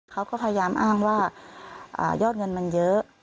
เขาก็พยายามอ้างว่ายอดเงินมันเยอะ